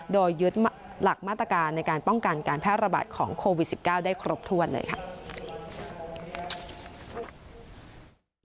โดยยึดหลักมาตรการในการป้องกันการแพร่ระบาดของโควิด๑๙ได้ครบถ้วนเลยค่ะ